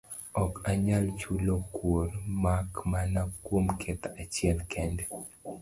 Ok anyal chulo kuor, mak mana kuom ketho achiel kende.